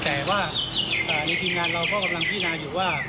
แค่ว่าในของกองปราบเราก็พินาอยู่ว่า